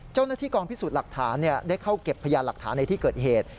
เจ้าหน้าที่กองพิสูจน์หลักฐานได้เข้าเก็บพยานหลักฐานในที่เกิดเหตุ